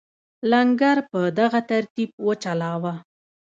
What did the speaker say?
لنګر په دغه ترتیب وچلاوه.